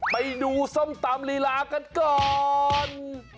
ไปดูส้มตำลีลากันก่อน